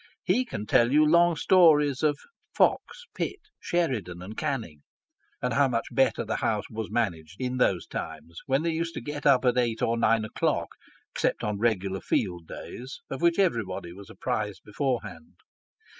He can tell you long stories of Fox, Pitt, Sheridan, and Canning, and how much better the House was managed in those times, when they used to get up at eight or nine o'clock, except on regular field days, of which everybody was apprised beforehand.